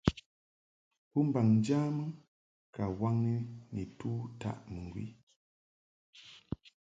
Bɨmbaŋ njamɨ ka nwaŋni nitu taʼ mɨŋgwi.